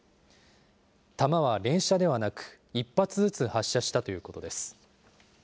弾は連射ではなく、１発ずつ発射したということです。